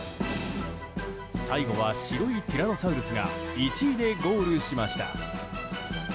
最後は白いティラノサウルスが１位でゴールしました。